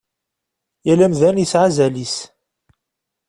Yal amdan yesɛa azal-is.